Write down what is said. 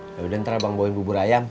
yaudah ntar abang bawain bubur ayam